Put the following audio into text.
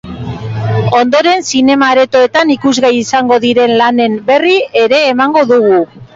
Ondoren, zinema-aretoetan ikusgai izango diren lanen berri ere emango dugu.